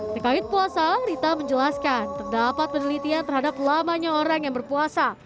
terkait puasa rita menjelaskan terdapat penelitian terhadap lamanya orang yang berpuasa